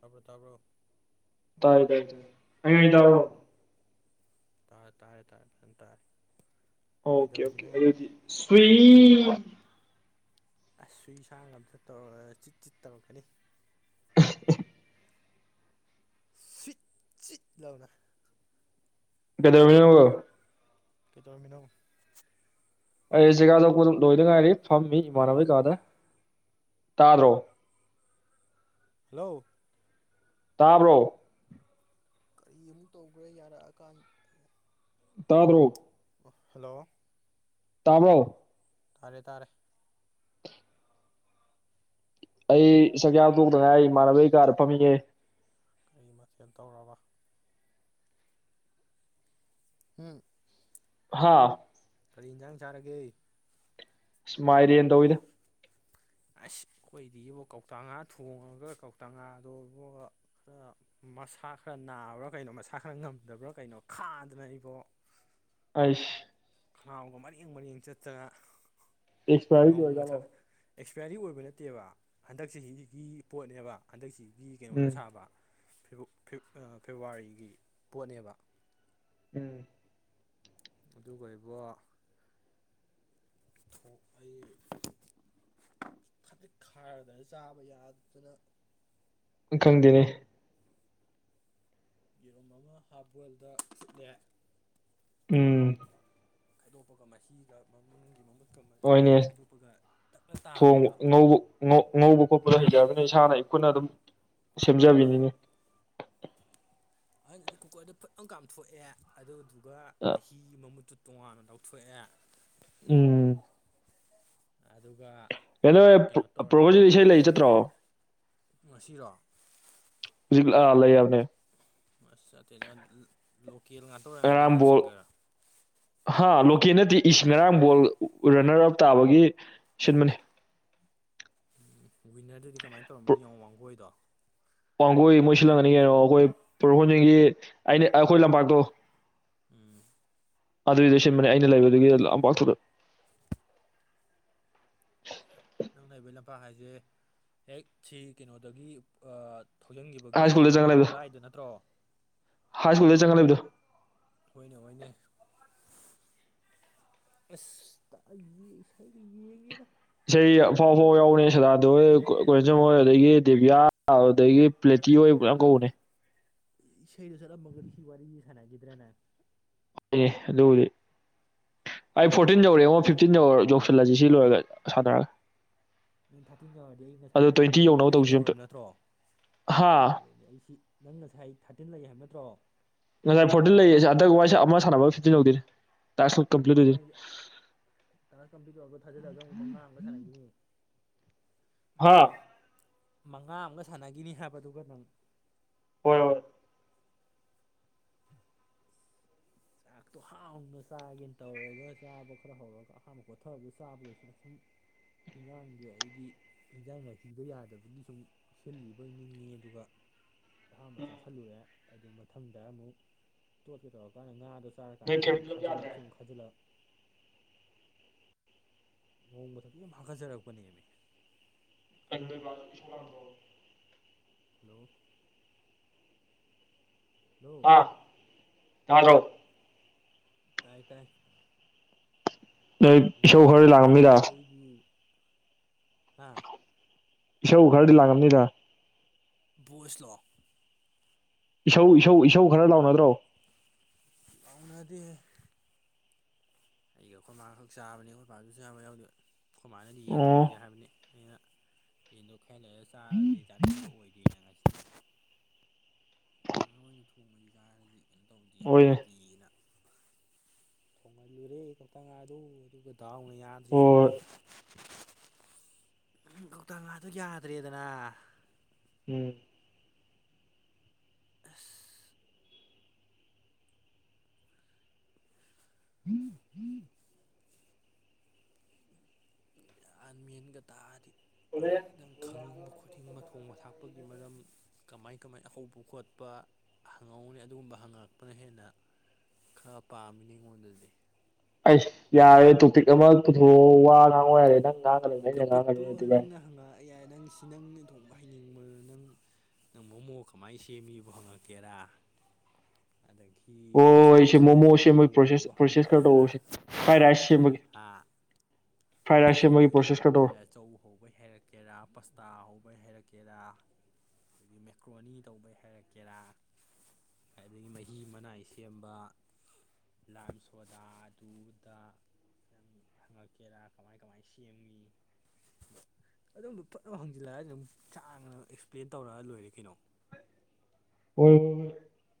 ꯇꯥꯕ꯭ꯔꯣ ꯇꯥꯕ꯭ꯔꯣ ꯇ ꯑꯗꯑꯣꯣ ꯇꯥꯏ ꯇꯥꯔꯦ ꯇꯔꯦ ꯇꯔꯦ ꯑꯣꯀꯦ ꯑꯣꯀꯦ ꯑꯗꯨ ꯁ ꯑꯁꯁꯨ ꯏꯁꯥꯡ ꯉ ꯑꯝꯇ ꯇꯧꯔ ꯆꯤꯠ ꯆꯤꯠ ꯇꯧꯔꯛꯀꯅꯤ ꯆ ꯆꯠ ꯂꯅ ꯀꯗꯒꯣ ꯀꯗꯧꯃꯤꯅꯣ ꯑꯩ ꯆꯦꯒꯥꯥꯗꯄꯗ ꯂꯣꯏꯗ ꯉꯥꯏꯔꯤ ꯐꯝꯃꯤ ꯍꯜꯂꯣ ꯏꯃꯥꯟꯅꯕꯩ ꯀꯥꯗ ꯇꯔꯣ ꯍꯜꯂꯣ ꯇꯥꯕꯣ ꯀꯔꯤ ꯑꯃꯨꯛ ꯇꯧꯈ꯭ꯔꯦ ꯌꯥꯔꯛꯑꯀꯥꯟꯗ ꯇꯥꯗ꯭ꯔꯣ ꯍꯜꯂꯣ ꯇꯥꯕꯣ ꯇꯥꯔꯦ ꯇꯥꯔꯦ ꯑꯩ ꯆꯛꯆꯇꯣꯛꯄꯗ ꯉꯥꯏ ꯏꯃꯥꯟꯅꯕꯒꯤ ꯀꯥꯗ ꯐꯝꯃꯤꯌꯦ ꯀꯔꯤ ꯃꯊꯦꯜ ꯇꯧꯔꯕ ꯎꯝ ꯍꯥꯥ ꯀꯔꯤ ꯏꯟꯖꯥꯡ ꯆꯥꯔꯒꯦ ꯑꯁꯃꯥꯏꯔꯦꯟ ꯇꯧꯏꯗ ꯑꯁ ꯑꯩꯈꯣꯏꯗꯤꯕꯨ ꯀꯧꯇꯥ ꯉꯥ ꯊꯣꯡꯉꯒ ꯀꯧꯇꯥ ꯉꯥꯗꯣꯕꯨ ꯈꯔ ꯃꯁꯥ ꯈꯔ ꯅꯥꯕ꯭ꯔ ꯀꯩꯅꯣ ꯃꯁꯥ ꯈꯔ ꯉꯝꯗꯕ꯭ꯔ ꯀꯩꯅꯣ ꯈꯥꯗꯅ ꯑꯩꯕꯣ ꯑꯩꯁ ꯈꯅꯥꯎꯒ ꯃꯔꯦꯡ ꯃꯔꯦꯡ ꯆꯠꯇꯅ ꯑꯦꯛꯁ ꯄꯥꯏꯔꯤꯗꯤ ꯑꯣꯏꯖꯥꯜꯂꫭ ꯑꯦꯛꯁꯄ꯭ꯌꯥꯔꯤ ꯑꯣꯏꯕ ꯅꯠꯇꯦꯕ ꯍꯟꯗꯛꯆꯁꯤꯒꯤ ꯄꯣꯠꯅꯦꯕ ꯍꯟꯗꯛꯆꯍꯤꯒꯤ ꯀꯩꯅꯣꯗ ꯎꯝ ꯁꯥꯕ [unintelligible] ꯐꯦꯕꯨꯋꯥꯔꯤꯒꯤ ꯄꯣꯠꯅꯦꯕ ꯎꯝ ꯑꯗꯨꯒ ꯏꯕꯣ ꯊꯣꯛ [unintelligible] ꯈꯖꯤꯛ ꯈꯔꯗꯅ ꯆꯥꯕ ꯌꯥꯗꯗꯅ ꯈꯪꯗꯦꯅꯦ ꯌꯦꯔꯨꯝ ꯑꯃ ꯍꯥꯞ ꯕꯣꯏꯜꯗ ꯐꯨꯠꯂꯦ ꯎꯝ ꯈꯥꯏꯗꯣꯛꯄꯒ ꯃꯍꯤꯒ ꯃꯅꯨꯡꯒꯤ ꯃꯃꯨꯠ ꯍꫭꯏꯅꯦ ꯊꯣꯡꯕ ꯇꯥꯕꯤꯗꯣ ꯉꯧꯕ ꯉꯧꯕ ꯈꯣꯠꯄꯗꫭ ꯍꯩꯖꯔꯒꯅ ꯏꯁꯥꯅ ꯑꯩꯈꯨꯅ ꯑꯗꯨꯝ ꯁꯦꯝꯖꯕꯤꯅꯤꯅꯦ ꯑꯗꯨꯗꯤ ꯀꯨꯀꫪꯗ ꯐꯠ ꯑꯃ ꯀꯥꯝꯊꯣꯛꯑꯦ ꯑꯗꯨꯗꯨꯒ ꯃꯍꯤ ꯃꯃꯨꯠꯨ ꯇꯣꯉꯥꯟꯅ ꯂꯧꯊꯣꯛꯑꯦ ꯎꯝ ꯑꯗꯨꯒ ꯀꯩꯅꯣ ꯄ꯭ꯔꯣꯚꯣꯖꯤꯗꯤ ꯏꯁꯩ ꯂꯩ ꯆꯠꯇ꯭ꯔꯣ ꯉꯁꯤꯔꯣ ꯑꯥ ꯂꯩ ꯍꯥꯏꯕꯅꯦ ꯑꯁ ꯆꯠꯆꯦꯗ ꯂꯣꯀꯦꯜ ꯉꯥꯛꯇ ꯉꯔꯥꯡ ꯑꯣꯏꯔꯝꯒꯅꯤꯗ ꯕꯣꯜ ꯁꯤꯡꯒꫪ ꯍꯥ ꯂꯣꯀꯦꯜ ꯅꯠꯇꯦ ꯏꯁ ꯉꯔꯥꯡ ꯕꯣꯜ ꯔꯟꯅꫪ ꯑꯞ ꯇꯥꯕꯒꯤ ꯁꯤꯟꯕꯅꯤ ꯎꯝ ꯋꯤꯟꯅꯔꯗꯨꯗꯤ ꯀꯃꯥꯏꯅ ꯇꯧꯔꯝꯃꯤꯅꯤ ꯌꯦꯡꯉꯣ ꯋꯥꯡꯒꯣꯏꯗꯣ ꯋꯥꯡꯒꯣꯏ ꯃꯣꯏ ꯁꯤꯜꯂꯝꯒꯅꯤ ꯀꯩꯅꯣ ꯑꯩꯈꯣꯏ ꯄꫭꯏꯔꯧꯈꯣꯡꯖꯤꯟꯒꯤ ꯑꯩꯅ ꯑꯩꯈꯣꯏ ꯂꯝꯄꯥꯛꯇꯣ ꯎꯝ ꯑꯗꯨꯏꯗ ꯁꯦꯝꯟꯕꯅꯦ ꯑꯩꯅ ꯂꯩꯕꯗꯨꯒꯤ ꯂꯝꯄꯥꯛꯇꯨꯗ ꯅꯪ ꯂꯩꯕꯩ ꯂꯝꯄꯥꯛ ꯍꯥꯏꯁꯦ ꯍꯦꯛ ꯁꯤ ꯀꯩꯅꯣꯗꯒꯤ ꯍꯥꯏ ꯊꯧꯖꯤꯟꯈꯤꯕꯒꯤ ꯁ꯭ꯀꯨꯜꯗ ꯆꯪꯉ ꯂꯩꯕꯗꯣ ꯒꯣꯂꯥꯏꯗꯣ ꯅꯠꯇ꯭ꯔꯣ ꯍꯥꯏ ꯁ꯭ꯀꯨꯜꯗ ꯆꯪꯉ ꯂꯩꯕꯗꯣ ꯍꫭꯏꯅꯦ ꯍꫭꯏꯅꯦ ꯑꯁ [unintelligible] ꯌꯦꯉꯦꯗ ꯏꯁꯩ ꯑꯐꯥꯎ- ꯑꯐꯥꯎ ꯌꯥꯎꯅꯤ ꯁꯗꯥꯅꯥꯟꯗ ꯍꯣꯏ ꯀꯣꯍꯦꯟꯁꯝ ꯍꯣꯏ ꯑꯗꯒꯤ ꯗꯦꯕꯤꯌꯥ ꯑꯗꯨꯗꯒꯤ ꯄ꯭ꯂꯦ ꯇꯤ ꯍꯣꯏ ꯃꯌꯥꯝ ꯀꯧꯕꯅꯦ꯫ ꯏꯁꯩꯗꯣ ꯆꯠꯂꯝꯃꯒꯗꯤ ꯁꯤ ꯋꯥꯔꯤ ꯁꯥꯟꯅꯈꯤꯗ꯭ꯔꯦꯅ ꯑꯦ ꯑꯗꯨꯕꯨꯗꯤ ꯑꯩ ꯑꯗꯨꯅꯦ ꯐꯣꫪꯇꯤꯟ ꯅꯪ ꯌꯧꯔꯦꯉꫭ ꯏꯁꯩ ꯐꯤꯐꯇꯤꯟ ꯌꯧ ꯌꯧꯁꯤꯜꯂꯁꯤ꯫ ꯁꯤ ꯂꯣꯏꯔꯒ ꯁꯥꯟꯅꯔꯒ ꯅꯪ ꯊꯥꫪꯇꯤꯟ ꯌꯧꯔꯗꯤ ꯑꯩ ꯉꯁꯥꯏ ꯑꯗꯣ ꯇ꯭ꯋꯦꯟꯇꯤ ꯇꯧꯅꯒꯤꯕꯗꯨꯒ ꯌꯧꯅꯕ ꯐꯣꫪꯇꯤꯟ ꯇꯧꯁꯤ ꯑꯝꯇ ꯌꯧꯔꯕ ꯅꯠꯇ꯭ꯔꯣ? ꯍꯥ ꯑꯗꯨꯗꯤ ꯑꯩꯁꯤ ꯅꯪ ꯉꯁꯥꯏ ꯊꯥꯇꯤꯟ ꯂꯩ ꯍꯥꯏꯕ ꯅꯠ ꯉꯁꯥꯏ ꯐꯣꫪꯇꯤꯟ ꯂꯩꯌꯦꯁꯦ ꯍꯟꯗꯛ ꯋꯥꯏꯁ ꯑꯃ ꯁꯥꯟꯅꯕ ꯐꯤꯐꯇꯤꯟ ꯌꯧꯗꯣꯏꯅꯤ꯫ ꯇꯥꯛꯁ ꯀꯝꯄ꯭ꯂꯤꯠ ꯑꯃ ꯑꯣꯏꯗꯣꯏꯅꯤ ꯇꯥꯁ ꯀꯝꯄ꯭ꯂꯤꯠ ꯇꯧꯔꯒ ꯊꯥꯖꯤꯜꯂꯒ ꯑꯃꯨꯛ ꯃ ꯉꯥꯡ ꯑꯃꯒ ꯁꯥꯟꯅꯈꯤꯅꯤ ꯑꯥ ꯃꯉꯥ ꯑꯃꯒ ꯁꯥꯟꯅꯈꯤꯅꯤ ꯍꯥꯏꯕꯗꯨꯒ ꯅꯪ ꯍꯣꯏ ꯍꯣꯏ꯫ ꯆꯥꯛꯇꯣ ꯍꯥꯎꯅ ꯆꯥꯒꯦꯅ ꯇꯧꯔꯒ ꯆꯥꯕ ꯈꯔ ꯍꯧꯔꯒ ꯑꯍꯥꯟꯕ ꯈꯣꯊꯕꯗ ꯆꯥꯕꯗꯣꯏꯁꯨꯅ ꯁꯨꯝ ꯏꯟꯖꯥꯡꯗ ꯑꯩꯗꯤ ꯏꯟꯖꯥꯡꯅꯅꯥ ꯍꯤꯕ ꯌꯥꯗꯕꯒꯤ ꯁꯨꯝ ꯁꯤꯜꯂꯤꯕꯅꯤꯡꯉꯤ ꯑꯗꯨꯒ ꯑꯍꯥꯝꯕ ꯆꯥꯥꯁꯜꯂꯨꯔꯦ ꯑꯗꯨ ꯃꯊꯪꯗ ꯑꯃꯨꯛ ꯇꯣꯠꯀꯦ ꯇꯧꯔꯀꯥꯟꯗ ꯉꯥ ꯆꯔꯀꯥꯟꯗ ꯁꯨꯝ ꯈꯥꯖꯤꯜꯂꯛ ꯁꯨꯝ ꯈꯥꯖꯤꯜꯂꯛ [unintelligible] ꯍꯥꯀꯠꯆꯔꯛꯄꯅꯦꯃꯤ [unintelligible] ꯍꯂꯣ ꯂꯣ ꯇꯥꯕꯔꯣ꯫ ꯇꯥꯏ ꯇꯥꯏ꯫ ꯅꯣꯏ ꯎꯝ ꯏꯁꯧ ꯃꯊꯪꯁꯨ ꯈꯔꯗꯤ ꯂꯥꯡꯉꯝꯅꯤꯗ ꯃꯥꯈꯠꯆꯔꯛꯄꯗ ꯑꯩꯗꯤ ꯏꯁꯧ ꯈꯔꯗꯤ ꯂꯥꯡꯉꯝꯅꯤꯗ ꯚꯣꯏꯁꯂꯣ ꯏꯁꯧ ꯏꯁꯧ ꯏꯁꯧ ꯈꯔ ꯂꯥꯎꯅꯗ꯭ꯔꯣ ꯂꯥꯡꯅꯗꯦꯍꯦ ꯑꯩꯒ ꯑꯩꯈꯣꯏ ꯏ ꯃꯥꯥꯈꯛ ꯆꯥꯕꯅꯤ ꯑꯩꯈꯣꯏ ꯏꯄꯥꯗꯨꯁꯨ ꯆꯥꯕ ꯌꯥꯎꯗ ꯑꯩꯈꯣꯏ ꯃꯥꯥꯅꯗꯤ ꯌꯦꯟ ꯑꯣ ꯊꯣꯡꯁꯦ ꯍꯥꯏꯕꯅꯤ ꯑꯩꯅ ꯌꯦꯟꯗꯣ ꯈꯥꯏꯍ ꯂꯩꯒ ꯆꯥꯔꯁꯤ ꯆꯥꯅꯤꯡꯕ ꯑꯣꯏꯗꯦꯅ ꯉꯁꯤ ꯇꯥꯡꯉ ꯑꯣꯏꯅ ꯊꯣꯡꯕꯕꯁꯤ ꯀꯥꯏꯔꯁꯤ ꯀꯩꯅꯣ ꯇꯧꯗ ꯍꯣꯏꯅꯦ ꯍꯥꯏꯔꯗꯤꯅ ꯊꯣꯡꯍꯜꯂꯨꯔꯦ ꯀꯧꯇꯥ ꯉꯥꯗꯣ ꯑꯗꯨꯒ ꯗꯥꯎꯅ ꯌꯥꯗ꯭ꯔꯤꯁꯨ ꯍꯣꯏ ꯀꯧꯇ ꯉꯥꯗꯨ ꯌꯥꯗ꯭ꯔꯦꯗꯅ꯫ ꯎꯝ ꯑꯁ ꯌꯥꯝꯥꯟ ꯃꯦꯟꯒ ꯇꯥꯔꯗꯤ ꯈꯪꯅꯤꯡꯕ ꯈꯣꯠꯅꯤꯡꯕ ꯊꯣꯡꯕ ꯊꯥꯛꯄꯒꯤ ꯃꯔꯝ ꯀꯃꯥꯏ- ꯀꯃꯥꯏꯅ ꯍꯧꯕ ꯈꯣꯠꯄ꯫ ꯍꯪꯉꯧꯅꯤ ꯑꯗꯨꯒꯨꯝꯕ ꯍꯪꯉꯛꯄꯅ ꯍꯦꯟꯅ ꯈꯔ ꯄꯥꯝꯃꯤꯅꯤ ꯑꯩꯉꯣꯟꯗꯗꯤ꯫ ꯑꯩꯁ ꯌꯥꯔꯦ ꯇꯣꯄꯤꯛ ꯑꯃ ꯄꯨꯊꯣꯛꯑꯣ ꯋꯥ ꯉꯥꯡ ꯌꯥꯔꯦ ꯅꯪ꯫ ꯉꯥꯡꯒꯅꯨ ꯑꯩꯅ ꯇꯣꯄꯤꯛꯇꯣ ꯉꯥꯡꯒꯅꯨ ꯅꯠꯇꯦ ꯚꯥꯏ ꯅꯪꯅ ꯍꯪꯉꯛꯑ ꯌꯥꯏ ꯅꯪ ꯁꯤ ꯅꯪꯅ ꯊꯣꯡꯕ ꯍꯩꯅꯤꯡꯕ ꯅꯪ ꯅꯪ ꯃꯣꯃꯣ ꯀꯃꯥꯏꯅ ꯁꯦꯝꯃꯤꯕꯣ ꯍꯪꯉꯛꯀꯦꯔꯥ? ꯑꯗꯒꯤ ꯍꯣ ꯅꯪ ꯆꯤꯛꯀꯟ ꯑꯩꯁꯦ ꯆꯤꯂꯤ ꯃꯣꯃꯣ ꯀꯃꯥꯏꯅ ꯁꯦꯝꯕꯩ ꯄꯔꯣꯁꯦꯁ ꯍꯧꯕꯤꯕꯣ ꯄꯣꯁꯦꯁ ꯀꯗꯣ ꯐ꯭ꯔꯥꯏ ꯔꯥꯏꯁ ꯁꯦꯝ ꯥꯏꯔꯥꯏ ꯁꯦꯝꯕ ꯄ꯭ꯔꯣꯁꯦꯁ ꯈꯔ ꯇꯧꯔꯣ ꯍꯥꯏꯔꯛꯀꯦꯔꯥ ꯆꯧ ꯍꯧꯕꯩ ꯍꯥꯏꯔꯛꯀꯦꯔꯥ ꯄꯥꯁꯇꯥ ꯍꯧꯕ ꯇꯧꯕꯩ ꯍꯥꯏꯔꯛꯀꯦꯔꯥ ꯑꯗꯒꯤ ꯃꯦꯀ꯭ꯔꯣꯅꯤ ꯇꯧꯕꯩ ꯍꯥꯏꯔꯛꯀꯦꯔꯥ ꯑꯗꯨꯗꯒꯤ ꯃꯍꯤ ꯃꯅꯥꯏ ꯁꯦꯝꯕ ꯂꯥꯜ ꯁꯣꯗꯥꯗꯨꯗ ꯍꯪꯉꯛꯀꯦꯔꯥ ꯀꯃꯥꯏ ꯀꯃꯥꯏ ꯁꯦꯝꯃꯤ ꯑꯗꯣꯝꯗ ꯐꯖꯅ ꯍꯪꯖꯤꯜꯂꯛꯑ ꯑꯗꯨꯝ ꯆꯥꯡꯅ ꯑꯦꯛꯁꯄ꯭ꯂꯦꯟ ꯇꯧꯔꯒ ꯂꯣꯏꯔꯦ ꯀꯩꯅꯣ [inaudible] ꯍꯣꯏ ꯍꯣꯏ ꯍꯣꯏ ꯫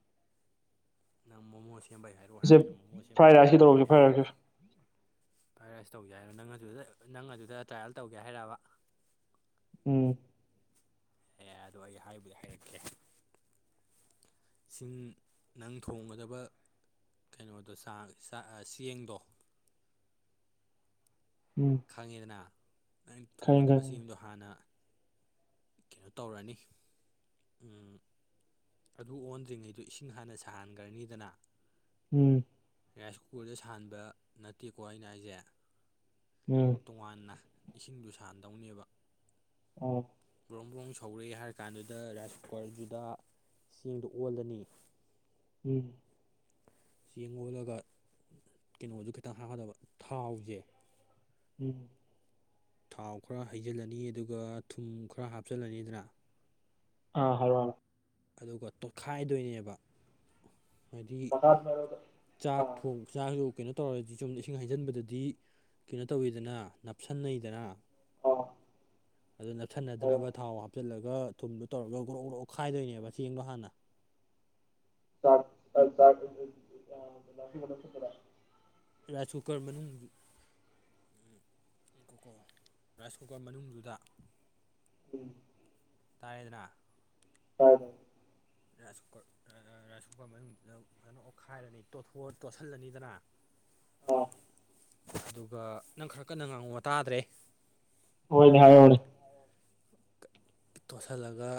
ꯅꯪ ꯃꯣꯃꯣ ꯁꯦꯝꯕꯩ ꯍꯥꯏꯔꯛꯑꯣ ꯁꯦ ꯍꯥꯏꯕꯅ ꯃꯣꯃꯣ ꯐ꯭ꯔꯥꯏ ꯁꯦꯝꯕꯩ ꯔꯥꯏꯁꯀꯤ ꯇꯧꯔꯁꯦ ꯍꯥꯏꯔꯛꯑꯒꯦꯅꯦ꯫ ꯐ꯭ꯔꯥꯏ ꯔꯥꯏꯁꯀꯤ ꯥꯐꯔꯥꯏ ꯔꯥꯏꯁ ꯇꯧꯒꯦ ꯍꯥꯏꯅꯣ ꯅꯪ ꯑꯗꯨꯗ ꯅꯪ ꯑꯗꯨꯗ ꯇ꯭ꯔꯥꯏꯌꯦꯜ ꯇꯧꯒꯦ ꯍꯥꯏꯔꯛꯕ ꯎꯝ ꯌꯥ ꯑꯗꯣ ꯑꯩ ꯍꯥꯏꯕꯨꯗꯤ ꯍꯥꯏꯔꯛꯀꯦ ꯁꯤꯡ ꯅꯪ ꯊꯣꯡꯒꯗꯕ ꯀꯩꯅꯣꯗꯣ ꯆꯦꯡꯗꯣ ꯎꯝ ꯈꯪꯉꯤꯗꯅ ꯅꯩꯅ ꯈꯪꯉꯦ ꯈꯪꯉꯦ ꯊꯣꯡꯒꯗꯕꯁꯤꯡꯗꯣ ꯍꯥꯟꯅ ꯀꯩꯅꯣ ꯇꯧꯔꯅꯤ ꯑꯗꯨ ꯑꯣꯟꯗ꯭ꯔꯤꯉꯩꯗꯨ ꯏꯁꯤꯡ ꯍꯥꯟꯅ ꯁꯥꯍꯟꯈ꯭ꯔꯅꯤꯗꯅ ꯎꯝ ꯔꯥꯏꯁ ꯀꯨꯀꯔꯗ ꯁꯥꯟꯕ ꯅꯠꯇꯦꯀꯣ ꯑꯩꯅ ꯑꯩꯁꯦ ꯎꯝ ꯇꯣꯉꯥꯟꯅ ꯏꯁꯤꯡꯗꯨ ꯁꯥꯍꯟꯗꯧꯅꯦꯕ ꯑ ꯕ꯭ꯔꯣꯡ ꯕ꯭ꯔꯣꯡ ꯁꯧꯔꯛꯑꯦ ꯍꯥꯏꯔ ꯀꯥꯟꯗꯨꯗ ꯔꯥꯏꯁ ꯀꯨꯀꯔꯗꯨꯗ ꯆꯦꯡꯗꯨ ꯑꯣꯜꯂꯅꯤ ꯎꯝ ꯆꯦꯡ ꯑꯣꯣꯜꯂꯒ ꯀꯩꯅꯣꯁꯨ ꯈꯤꯇꯪ ꯍꯥꯞꯀꯗꯕ ꯊꯥꯎꯁꯦ ꯎꯝ ꯊꯥꯎ ꯈꯔ ꯍꯩꯖꯤꯜꯂꯅꯤ ꯑꯗꯨꯒ ꯊꯨꯝ ꯈꯔ ꯍꯥꯞꯆꯜꯂꯅꯤꯗꯅ ꯑꯥ ꯍꯔ ꯑꯗꯨꯒ ꯇꯣꯠꯈꯥꯏꯗꯣꯏꯅꯦꯕ ꯍꯥꯏꯗꯤ ꯆꯥꯛ ꯑꯥ ꯊꯣꯡ ꯆꯥꯛꯁꯨ ꯀꯩꯅꯣ ꯇꯧꯔꯗꯤ ꯆꯣꯨꯝꯗ ꯏꯁꯤꯡ ꯍꯩꯖꯤꯟꯕꯗꯗꯤ ꯀꯩꯅꯣ ꯇꯧꯕꯋꯤꯗꯅ ꯅꯞꯁꯤꯟꯅꯩꯗꯅ ꯑꯗꯨ ꯅꯞꯁꯤꯟꯅꯗꯅꯕ ꯊꯥꯎ ꯍꯥꯞꯆꯤꯜꯂꯒ ꯊꯨꯝꯗꯣ ꯇꯧꯔꯒ ꯒ꯭ꯔꯣꯛ ꯒ꯭ꯔꯣꯛ ꯈꯥꯏꯗꯣꯏꯅꯦꯕ ꯌꯦꯡꯕꯣ ꯍꯥꯟꯅ ꯆꯥꯛ ꯔꯥꯏꯁ ꯀꯨꯀꯔ ꯃꯅꯨꯡꯒꯤ ꯀꯨꯀ ꯔꯥꯏꯁ ꯀꯨꯀꯔ ꯃꯅꯨꯡꯗꯨꯗ ꯇꯥꯔꯦꯗꯅ ꯑꯥ ꯌꯥꯣ ꯔꯥꯏꯁ ꯀꯨꯀꯔ ꯃꯅꯨꯡꯗꯨꯗ ꯀꯩꯅꯅ ꯑꯣꯠꯈꯥꯏꯔꯅꯤꯊ ꯇꯣꯠꯁꯤꯜꯂꯅꯤꯗꯅ ꯑꯗꯨꯒ ꯅꯪ ꯈꯔ ꯀꯟꯅ ꯉꯥꯡꯉꯨꯕ ꯇꯥꯗ꯭ꯔꯦ ꯍꯣꯏꯗ ꯍꯔ ꯇꯣꯠꯁꯤꯜꯂꯒ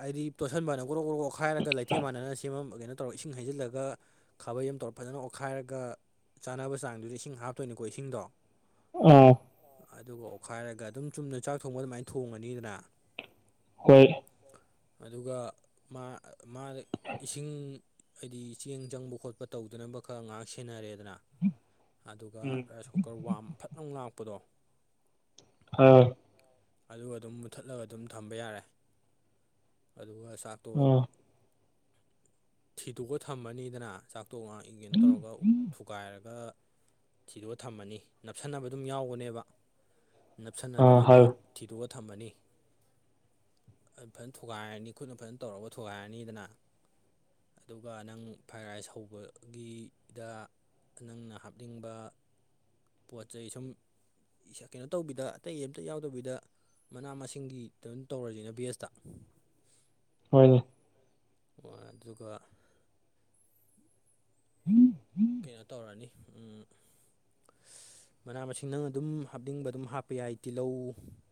ꯍꯥꯏꯗꯤ ꯇꯣꯠꯁꯟꯕꯅ ꯒ꯭ꯔꯣꯛ ꯣꯔꯣꯛ ꯀ꯭ꯔꯣꯛꯈꯥꯏꯔꯒ ꯂꯩꯇꯦ ꯃꯥꯟꯅꯅ ꯁꯦꯝꯃ ꯀꯩꯅꯣ ꯇꯧꯔꯒ ꯏꯁꯤꯡ ꯍꯩꯖꯤꯜꯂꯒ ꯊꯕꯣꯏ ꯑꯃ ꯇꯧꯔ ꯐꯖꯅ ꯑꯣꯠꯈꯥꯏꯔꯒ ꯆꯥꯅꯕ ꯆꯥꯡꯗꯨꯗꯤ ꯏꯁꯤꯡ ꯍꯥꯞꯇꯣꯏꯅꯤꯀꯣ ꯏꯁꯤꯡꯗꯣ ꯑ ꯑꯗꯨꯒ ꯑꯣꯠꯈꯥꯏꯔꯒ ꯑꯗꯨꯝ ꯆꯨꯝꯅ ꯆꯥꯛ ꯊꯣꯡꯕ ꯑꯗꯨꯃꯥꯏꯅ ꯊꯣꯡꯉꯅꯤꯗꯅ ꯍꯣꯏ ꯑꯗꯨꯒ ꯃꯥꯗ ꯏꯁꯤꯡ ꯍꯥꯏꯗꯤ ꯆꯦꯡ ꯆꯪꯕ ꯈꯣꯠꯄ ꯇꯧꯗꯅꯕ ꯈꯔ ꯉꯥꯏꯍꯥꯛ ꯁꯦꯟꯅꯔꯦ ꯗꯅ ꯑꯗꯨꯒ ꯔꯥꯏꯁ ꯀꯨꯀꯔ ꯐꯠꯅꯅꯨꯡ ꯂꯥꯛꯄꯗꯣ ꯑꯥ ꯑꯗꯨꯒ ꯑꯗꯨꯝ ꯃꯨꯠꯊꯠꯂꯒ ꯑꯗꯨꯝ ꯊꯝꯕ ꯌꯥꯔꯦ ꯑꯗꯨꯒ ꯆꯥꯛꯇꯣ ꯑꯥ ꯊꯤꯗꯣꯛꯑꯒ ꯊꯝꯃꯅꯤꯗꯅ ꯆꯥꯛꯇ ꯇꯣꯉ ꯏꯒꯦꯅ ꯇꯧꯔꯒ ꯊꯨꯒꯥꯏꯔꯒ ꯁꯤꯗꯣꯛꯒ ꯊꯝꯃꯅꯤ ꯅꯞꯁꯟꯅꯕ ꯑꯗꯨꯝ ꯌꯥꯎꯒꯅꯦꯕ ꯑꯥ ꯅꯞꯁꯟꯅꯗꯅꯕ ꯍꯥꯏꯌꯨ ꯊꯤꯗꯣꯛꯑ ꯊꯝꯃꯅꯤ ꯑꯩ ꯐꯖꯅ ꯊꯨꯒꯥꯏꯔꯅꯤ ꯈꯨꯠꯅ ꯐꯖꯅ ꯇꯧꯔꯒ ꯊꯨꯒꯥꯏꯔꯅꯤꯗꯅ ꯑꯗꯨꯒ ꯅꯪ ꯐ꯭ꯔꯥꯏ ꯔꯥꯏꯁ ꯍꯧꯕꯒꯤꯗ ꯅꯪꯅ ꯍꯥꯞꯅꯤꯡꯕ ꯄꯣꯠ ꯆꯩꯩ ꯁꯨꯝ ꯀꯩꯅꯣ ꯇꯧꯕꯤꯗ ꯑꯇꯩ ꯑꯝꯇ ꯌꯥꯎꯗꯕꯤꯗ ꯃꯅꯥ ꯃꯁꯤꯡꯒꯤꯗꯝ ꯇꯧꯔꯁꯤꯅꯦ ꯕꯤ ꯑꯦꯁꯇ ꯍꯣꯏꯅꯦ ꯌꯒ ꯎꯝ ꯀꯩꯅꯣ ꯇꯧꯔꯅꯤ ꯎ ꯃꯅꯥ ꯃꯁꯤꯡ ꯅꯪ ꯑꯗꯨꯝ ꯍꯥꯞꯅꯤꯡꯕ ꯑꯗꯨꯝ ꯍꯥꯞꯄ ꯌꯥꯏ ꯇꯤꯜꯍꯧ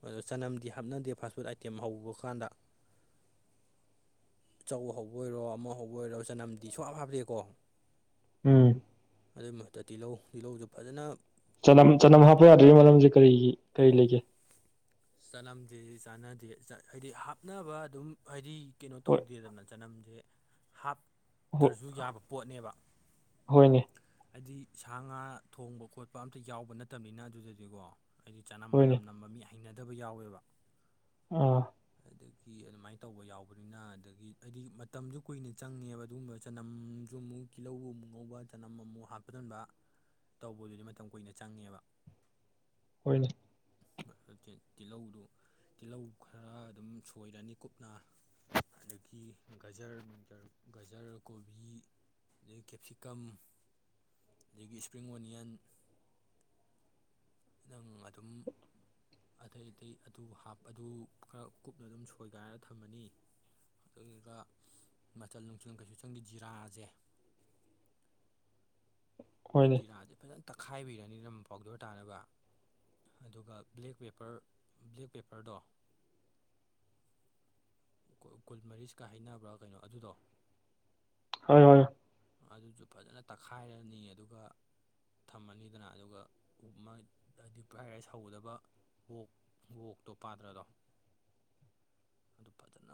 ꯑꯗꯣ ꯆꯅꯝꯗꯤ ꯍꯥꯞꯅꯗꯦ ꯐꯥꯁ ꯐꯨꯗ ꯑꯥꯏꯇꯦꯝ ꯍꯧꯕ ꯀꯥꯟꯗ ꯆꯧ ꯍꯧꯕ ꯑꯣꯏꯔꯣ ꯑꯃ ꯍꯧꯕ ꯑꯣꯏꯔꯣ ꯆꯅꯝꯗꯤ ꯁꯨꯡꯞ ꯍꯥꯞꯇꯦꯀꯣ ꯎꯝ ꯑꯗꯨꯏ ꯃꯊꯠꯇ ꯇꯤꯜꯍꯧ ꯇꯤꯜꯍꯧꯁꯨ ꯐꯖꯅ ꯆꯅꯝ ꯆꯅꯝ ꯍꯥꯞꯄ ꯌꯥꯗ꯭ꯒꯤ ꯃꯔꯝꯁꯦ ꯀꯔꯤꯒꯤ ꯀꯔꯤ ꯂꯩꯒꯦ ꯆꯂꯝꯗꯦ ꯆꯥꯟꯅꯗꯦ ꯍꯥꯏꯗꯤ ꯍꯥꯞꯅꯕ ꯑꯗꯨꯝ ꯍꯥꯏꯗꯤ ꯀꯩꯅꯣ ꯍꯣꯏ ꯇꯧꯗꯦꯗꯅ ꯆꯅꯝꯁꯦ ꯍꯥꯞ ꯍꯣ ꯇ꯭ꯔꯁꯨ ꯌꯥꯕ ꯄꯣꯠꯅꯦꯕ ꯍꯣꯏꯅꯦ ꯍꯥꯏꯗꯤ ꯁꯥ ꯉꯥ ꯊꯣꯡꯕ ꯈꯣꯠꯄ ꯑꯝꯇ ꯌꯥꯎꯕ ꯅꯠꯇꯕꯅꯤꯅ ꯑꯗꯨꯗꯗꯤꯀꯣ ꯍꯥꯏꯗꯤ ꯆꯅꯝ ꯍꯣꯏꯅꯦ ꯃꯅꯝ ꯅꯝꯕ ꯃꯤ ꯍꯩꯅꯗꯕ ꯌꯥꯎꯋꯦꯕ ꯑ ꯑꯗꯒꯤ ꯑꯗꯨꯃꯥꯏꯅ ꯇꯧꯕ ꯌꯥꯎꯕꯅꯤꯅ ꯑꯗꯒꯤ ꯍꯥꯏꯗꯤ ꯃꯇꯝꯁꯨ ꯀꯨꯏꯅ ꯆꯪꯉꯦꯕ ꯑꯗꯨꯒꯨꯝꯕ ꯆꯅꯝꯁꯨ ꯑꯃꯨꯛ ꯇꯤꯜꯍꯧꯕ ꯑꯃꯨꯛ ꯉꯧꯕ ꯇꯅꯝ ꯑꯃꯨꯛ ꯍꯥꯞꯄꯗꯣꯟꯕ ꯇꯧꯕꯗꯨꯗꯤ ꯃꯇꯝ ꯀꯨꯏꯅ ꯆꯪꯉꯦꯕ ꯍꯣꯏꯅꯦ ꯇꯤꯜꯍꯧꯗꯨ ꯇꯤꯜꯍꯧ ꯈꯔ ꯑꯗꯨꯝ ꯁꯣꯏꯔꯅꯤ ꯀꯨꯞꯅ ꯑꯗꯒꯤ ꯒꯖꯔ ꯒꯖꯔ ꯀꯣꯕꯤ ꯑꯗꯒꯤ ꯀꯦꯞꯁꯤꯀꯝ ꯑꯗꯒꯤ ꯏꯁꯄ꯭ꯔꯤꯡ ꯑꯣꯅꯤꯌꯟ ꯅꯪ ꯑꯗꯨꯝ ꯑꯇꯩ ꯑꯇꯩ ꯑꯗꯨ ꯑꯗꯨ ꯈꯔ ꯀꯨꯞꯅ ꯑꯗꯨꯝ ꯁꯣꯏꯒꯥꯏꯔ ꯊꯝꯃꯅꯤ ꯑꯗꯨꯒꯗꯨ ꯃꯆꯜ ꯅꯨꯡꯁꯜ ꯀꯩꯁꯨ ꯁꯪꯒꯤ ꯖꯤꯔꯥꯁꯦ [inaudible] ꯍꯣꯏꯅꯦ ꯖꯤꯔꯥꯁꯦ ꯐꯖꯅ ꯇꯛꯈꯥꯏꯕꯤꯔꯅꯤꯅ ꯄꯥꯎꯗꯔ ꯇꯥꯅꯕ ꯑꯗꯨꯒ ꯕ꯭ꯂꯦꯛ ꯄꯦꯄꯔ ꯕ꯭ꯂꯦꯛ ꯄꯦꯄꯔꯗꯣ ꯀꯨꯜ ꯃꯔꯤꯁꯀ ꯍꯩꯅꯅꯕ꯭ꯔꯥ ꯀꯩꯅꯣ ꯑꯗꯨꯗꯣ ꯍꯣꯏ ꯍꯣꯏ ꯑꯗꯨꯁꯨ ꯐꯖꯅ ꯇꯛꯈꯥꯏꯔꯅꯤ ꯑꯗꯨꯒ ꯊꯝꯃꯅꯤꯗꯅ ꯑꯗꯨꯒ ꯍꯥꯏꯗꯤ ꯄꯥꯏꯔꯥꯏ ꯁꯧꯒꯗꯕ ꯑꯣꯛ ꯑꯣꯋꯛꯇꯣ ꯄꯥꯗ꯭ꯔꯗꯣ ꯐꯖꯅ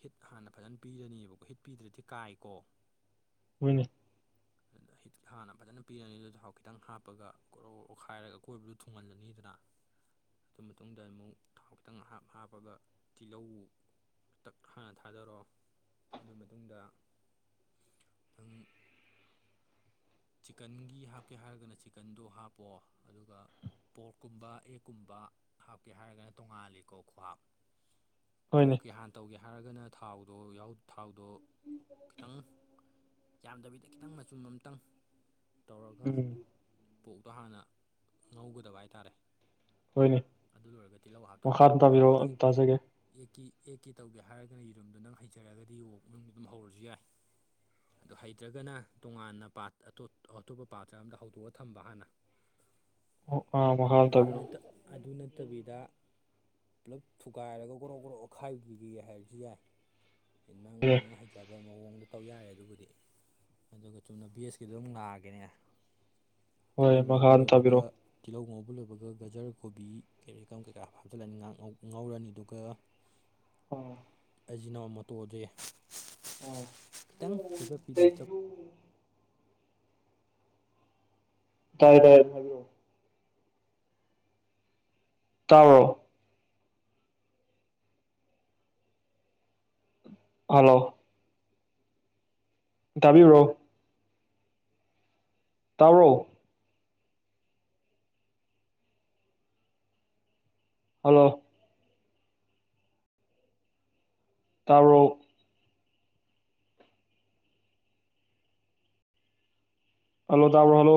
ꯍꯤꯠ ꯍꯥꯟꯅ ꯐꯖꯅ ꯄꯤꯔꯅꯤꯕꯀꯣ ꯍꯤꯠ ꯄꯤꯗ꯭ꯔꯗꯤ ꯀꯥꯏꯀꯣ ꯍꯅꯤ ꯑ ꯤ ꯍꯥꯟꯅ ꯐꯖꯅ ꯄꯤꯔꯅꯤ ꯑꯗꯨ ꯆꯍꯥꯎ ꯈꯤꯇꯪ ꯍꯥꯞꯄꯒ ꯀꯣꯛ ꯑꯣꯈꯥꯏꯔꯒ ꯀꯣꯏꯕꯗꯨ ꯊꯨꯡꯍꯜꯂꯅꯤꯗꯅ ꯑꯗꯨ ꯃꯇꯨꯡꯗ ꯑꯃꯨꯛ ꯊꯥꯎ ꯈꯤꯇꯪꯞ ꯍꯥꯞꯄꯒ ꯇꯤꯜꯍꯧ ꯇꯛ ꯍꯥꯟꯅ ꯊꯥꯗꯔꯣ ꯑꯗꯨꯒꯤ ꯃꯇꯨꯡꯗ ꯑꯗꯨꯝ ꯆꯤꯀꯟꯒꯤ ꯍꯥꯞꯀꯦ ꯍꯥꯏꯔꯒꯅ ꯆꯤꯛꯀꯟꯗꯣ ꯍꯥꯞꯄꯣ ꯑꯗꯨꯒ ꯄꯣꯠꯀꯨꯝꯕ ꯑꯦꯛꯀꯨꯝꯕ ꯍꯥꯞꯀꯦ ꯍꯥꯏꯔꯒꯅ ꯇꯣꯡꯉꯥꯜꯂꯤꯀꯣ ꯈ꯭ꯍꯞ ꯍꯣꯏꯅꯦ ꯄꯣꯛꯀꯦ ꯍꯥꯟꯅ ꯇꯧꯒꯦ ꯍꯥꯏꯔꯒꯅ ꯊꯥꯎꯗꯣ ꯌꯥ ꯊꯥꯎꯗꯣ ꯈꯤꯇꯪ ꯌꯥꯝꯗꯕꯤꯗ ꯈꯤꯇꯪ ꯃꯆꯨꯝ ꯑꯝꯇꯪ ꯇꯧꯔꯒ ꯎꯝ ꯄꯣꯛꯇꯣ ꯍꯥꯟꯅ ꯉꯧꯒꯗꯕ ꯍꯥꯏꯇꯥꯔꯦ ꯍꯣꯏꯅꯦ ꯑꯗꯨ ꯂꯣꯏꯔꯒ ꯇꯤꯜꯍꯧ ꯍꯥꯞꯇꯧꯕ ꯃꯈꯥ ꯑꯗꯨꯝ ꯑꯗꯨꯗꯒꯤ ꯇꯥꯕꯤꯔꯛꯑꯣ ꯑꯗꯨꯝ ꯑꯦꯛ ꯇꯥꯖꯒꯦ ꯑꯦꯛꯀꯤ ꯑꯦꯛ ꯀꯦ ꯇꯧꯒꯦ ꯍꯥꯏꯔꯒꯅ ꯌꯦꯔꯨꯝꯗꯨꯣ ꯅꯪ ꯍꯩꯖꯔꯒꯗꯤ ꯑꯣꯛ ꯅꯨꯡꯗ ꯑꯗꯨꯝ ꯍꯧꯔꯁꯨ ꯌꯥꯏ ꯑꯗꯨ ꯍꯩꯇ꯭ꯔꯒꯅ ꯇꯣꯉꯥꯟꯅ ꯄꯥ ꯑꯇꯣꯞꯄ ꯄꯥꯇ꯭ꯔ ꯑꯝꯗ ꯍꯧꯗꯣꯛꯑ ꯊꯝꯕ ꯍꯥꯟꯅ ꯑꯥ ꯃꯈꯥ ꯑꯗꯨꯝ ꯇꯥꯕꯤꯔꯛꯑꯣ ꯑꯗꯨ ꯅꯠꯇꯕꯤꯗ ꯄꯨꯂꯞ ꯊꯨꯒꯥꯏꯔꯒ ꯒ꯭ꯔꯣꯛ ꯒ꯭ꯔꯣꯛ ꯑꯈꯥꯏꯈꯤꯒꯦ ꯍꯥꯏꯔꯁꯨ ꯌꯥꯏ ꯅꯪ ꯍꯣꯏꯅꯦ ꯅꯪ ꯍꯩꯖꯕ ꯃꯑꯣꯡꯗ ꯇꯧ ꯌꯥꯔꯦ ꯑꯗꯨꯕꯨꯗꯤ ꯑꯗꯨꯒ ꯆꯨꯝꯅ ꯕꯤ ꯑꯦꯁ ꯀꯤꯗꯨꯝ ꯅꯥꯒꯦꯅꯦ ꯍꯣꯏ ꯇꯤꯜꯍꯧ ꯉꯧꯕ ꯃꯈꯥꯗ ꯂꯣꯏꯕꯒ ꯇꯥꯕꯤꯔꯛꯑꯣ ꯇꯤꯜꯍꯧ ꯉꯧꯕ ꯍꯥꯞ ꯂꯣꯏꯕꯒ ꯒꯖꯔ ꯀꯣꯕꯤ ꯀꯩ ꯀꯔ ꯀꯩꯀꯥ ꯍꯥꯞꯆꯤꯜꯂꯅꯤ ꯉꯧꯔꯅꯤ ꯑꯗꯨꯒ ꯎꯝ ꯑꯖꯤꯅ ꯃꯣꯇꯣꯖꯦ ꯎꯝ ꯈꯤꯇꯪ ꯁꯖꯄꯤꯅ [inaudible] ꯆꯠ ꯇꯥꯏ ꯇꯥꯏ ꯍꯥꯏꯕꯤꯔꯣ ꯇꯔꯣ ꯍꯜꯂꯣ ꯇꯥꯕꯤꯕ꯭ꯔꯣ ꯇꯔꯣ ꯍꯜꯂꯣ ꯇꯔꯨꯛ ꯍꯜꯂꯣ ꯇꯥꯕꯣ ꯍꯜꯂꯣ